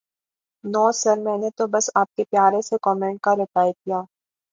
نو sir میں نے تو بس آپ کے پیارے سے کومینٹ کا رپلائے کیا